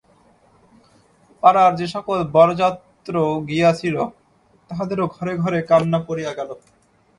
পাড়ার যে-সকল বরযাত্র গিয়াছিল, তাহাদেরও ঘরে ঘরে কান্না পড়িয়া গেল।